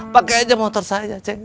pakai aja motor saya